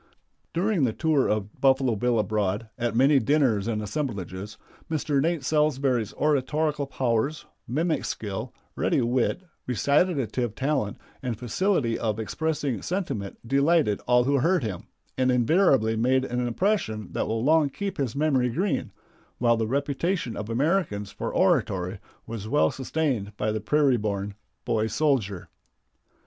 During the tour of Buffalo Bill abroad, at many dinners and assemblages Mr. Nate Salsbury's oratorical powers, mimic skill, ready wit, recitative talent, and facility of expressing sentiment delighted all who heard him, and invariably made an impression that will long keep his memory green, while the reputation of Americans for oratory was well sustained by the prairie born boy soldier.